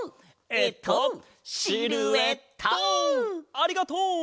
ありがとう！